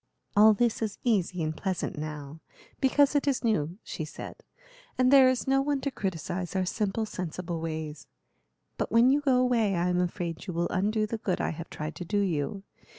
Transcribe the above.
"All this is easy and pleasant now, because it is new," she said, "and there is no one to criticise our simple, sensible ways; but when you go away I am afraid you will undo the good I have tried to do you.